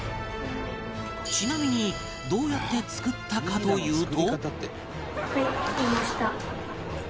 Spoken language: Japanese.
ちなみにどうやって作ったかというとはい、切れました。